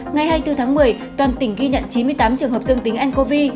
ngày hai mươi bốn tháng một mươi toàn tỉnh ghi nhận chín mươi tám trường hợp dương tính ncov